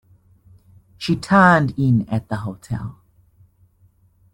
She turned in at the hotel.